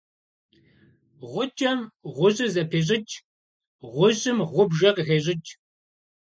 Гъукӏэм гъущӏыр зэпещӏыкӏ, гъущӏым гъубжэ къыхещӏыкӏ.